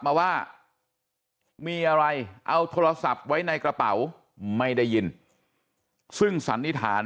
มาว่ามีอะไรเอาโทรศัพท์ไว้ในกระเป๋าไม่ได้ยินซึ่งสันนิษฐาน